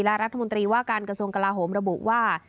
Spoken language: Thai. และรัฐมนตรีว่าการกระทรวงกลาโหมระบุว่า